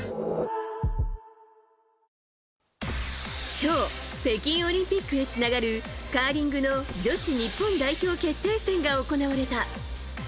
今日北京オリンピックへつながるカーリングの女子日本代表決定戦が行われた。